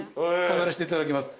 飾らせていただきます。